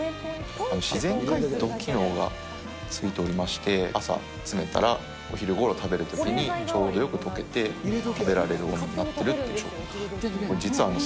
自然解凍機能が付いておりまして、朝、詰めたら、お昼ごろ食べるときに、ちょうどよくとけて食べられる温度になっているという商品。